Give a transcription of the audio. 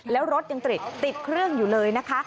แล้วรถยังติดเครื่องอยู่เลยนะคะ